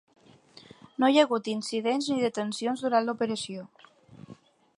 No hi ha hagut incidents ni detencions durant l’operació.